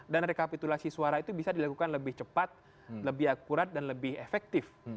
dan rekapitulasi suara itu bisa dilakukan lebih cepat lebih akurat dan lebih efektif